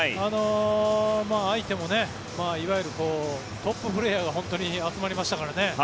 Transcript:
相手もいわゆるトッププレーヤーが集まりましたからね。